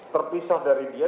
terpisah dari dia